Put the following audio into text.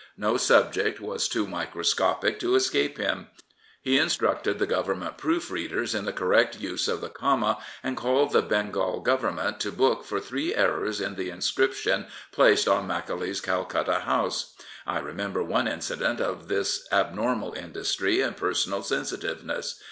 No subject was too microscopic to escape him. He instructed the Government proof readers in the correct use of the comma and called the Bengal Government to book for three errors in the inscription placed on Macaulay's Calcutta house. I remember one incident of this abnormal industry and personal sensitiveness.